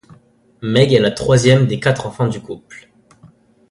Meg est la troisième des quatre enfants du couple.